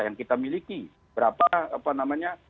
yang kita miliki berapa